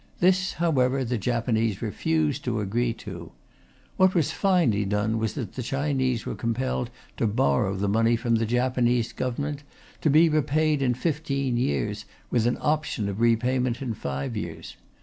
This, however, the Japanese refused to agree to. What was finally done was that the Chinese were compelled to borrow the money from the Japanese Government to be repaid in fifteen years, with an option of repayment in five years.